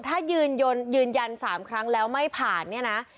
ถ้ายืนยัน๓ครั้งแล้วไม่ผ่านเนี่ยนะ